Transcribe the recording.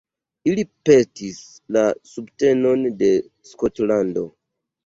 Ili petis la subtenon de Skotlando.